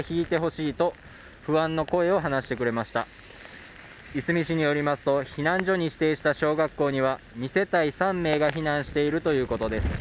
いすみ市によりますと避難所に指定した小学校には２世帯３名が避難しているということです。